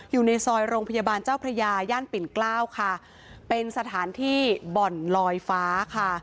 อยู่ในซอยโรงพยาบาลเจ้าพระยาย่านปิ่นเกล้าค่ะเป็นสถานที่บ่อนลอยฟ้าค่ะ